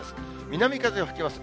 南風が吹きます。